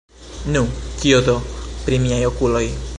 Nu, kio do, pri miaj okuloj?